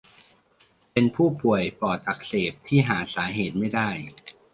เป็นผู้ป่วยปอดอักเสบที่หาสาเหตุไม่ได้